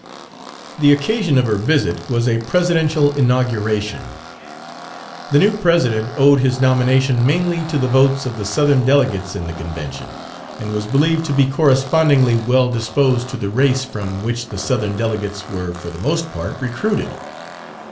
The occasion of her visit was a presidential inauguration. The new President owed his nomination mainly to the votes of the Southern delegates in the convention, and was believed to be correspondingly well disposed to the race from which the Southern delegates were for the most part recruited.